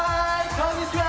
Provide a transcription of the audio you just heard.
こんにちは！